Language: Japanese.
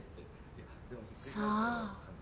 さあ。